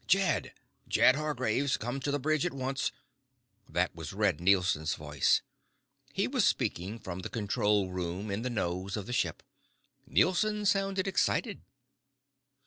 "Jed! Jed Hargraves! Come to the bridge at once." That was Red Nielson's voice. He was speaking from the control room in the nose of the ship. Nielson sounded excited.